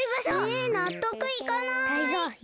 えなっとくいかない！